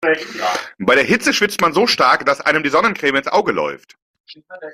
Bei der Hitze schwitzt man so stark, dass einem die Sonnencreme ins Auge läuft.